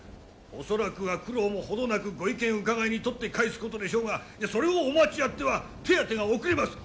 恐らくは九郎も程なくご意見伺いに取って返すことでしょうがそれをお待ちあっては手当てが遅れます。